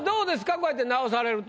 こうやって直されると。